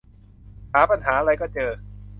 หาปัญหาไรก็เจอ